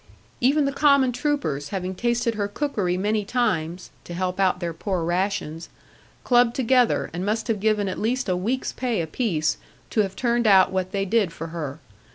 Even the common troopers, having tasted her cookery many times (to help out their poor rations), clubbed together, and must have given at least a week's pay apiece, to have turned out what they did for her.